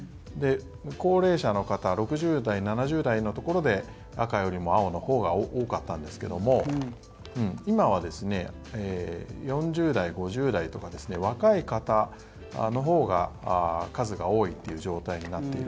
高齢者の方６０代、７０代のところで赤よりも青のほうが多かったんですけども今は４０代、５０代とか若い方のほうが数が多いという状態になっている。